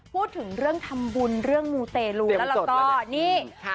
พูดถึงเรื่องทำบุญเรื่องมูตลแล้วแล้วเนอก่อน